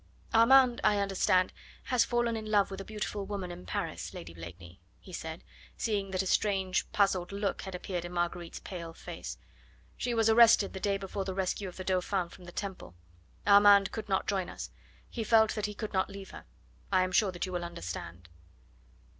"Armand, I understand, has fallen in love with a beautiful woman in Paris, Lady Blakeney," he said, seeing that a strange, puzzled look had appeared in Marguerite's pale face. "She was arrested the day before the rescue of the Dauphin from the Temple. Armand could not join us. He felt that he could not leave her. I am sure that you will understand."